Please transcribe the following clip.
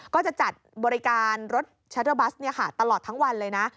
ก็จะจัดบริการรถชัตเตอร์บัสตลอดทั้งวันเลยนะ